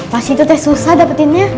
pas itu teh susah dapetinnya